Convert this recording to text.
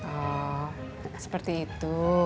oh seperti itu